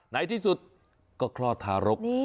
ในที่สุดก็คลอดทารก